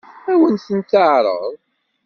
Ad wen-ten-teɛṛeḍ?